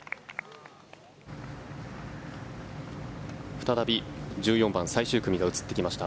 再び１４番最終組が映ってきました。